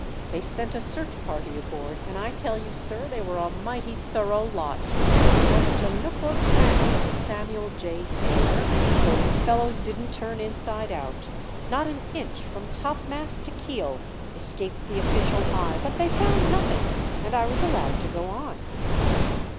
They sent a search party aboard and I tell you, sir, they were a mighty thorough lot! There wasn't a nook or cranny of the Samuel J. Taylor those fellows didn't turn inside out. Not an inch from topmast to keel escaped the official eye; but they found nothing, and I was allowed to go on."